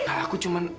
nah aku cuma